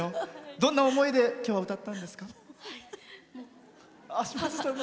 どんな思いで今日は歌ったんですか？